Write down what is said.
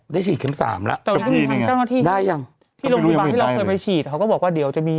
ได้ชิดเค็ม๓ล่ะแต่มีนั่งที่